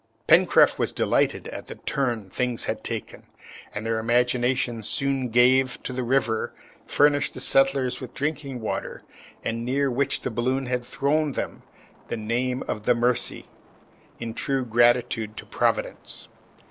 Pencroft was delighted at the turn things had taken, and their imaginations soon gave to the river which furnished the settlers with drinking water and near which the balloon had thrown them, the name of the Mercy, in true gratitude to Providence.